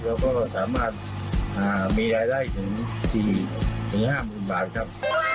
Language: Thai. เราก็สามารถมีรายได้ถึง๔๕๐๐๐บาทครับ